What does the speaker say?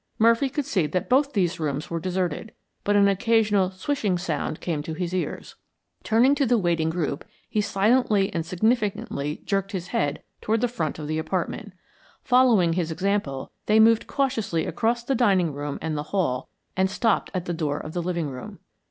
Murphy could see that both these rooms were deserted, but an occasional swishing sound came to his ears. Turning to the waiting group, he silently and significantly jerked his head toward the front of the apartment. Following his example, they moved cautiously across the dining room and the hall and stopped at the door of the living room.